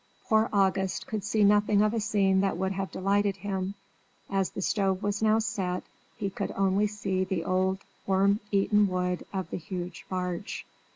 Poor August could see nothing of a scene that would have delighted him; as the stove was now set, he could only see the old worm eaten wood of the huge barge.